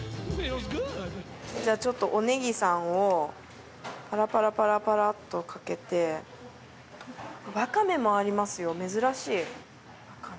じゃちょっとおネギさんをパラパラパラパラッとかけてワカメもありますよ珍しい。